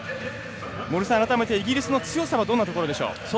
森さん、改めてイギリスの強さどういうところでしょう？